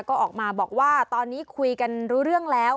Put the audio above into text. ก็ออกมาบอกว่าตอนนี้คุยกันรู้เรื่องแล้ว